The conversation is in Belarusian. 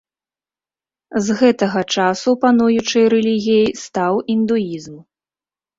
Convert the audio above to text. З гэтага часу пануючай рэлігіяй стаў індуізм.